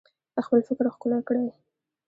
خپل فکر ښکلی کړئ